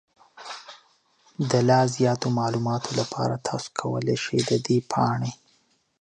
د لا زیاتو معلوماتو لپاره، تاسو کولی شئ د دې پاڼې